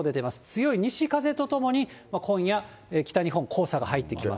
強い西風と共に、今夜、北日本、黄砂が入ってきます。